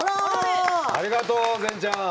ありがとう、善ちゃん。